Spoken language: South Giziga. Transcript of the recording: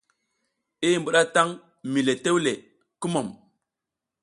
I mbuɗatan mi le tewle, kumum !